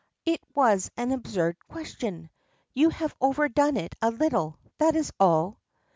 It was an absurd question. You have overdone it a little, that is all."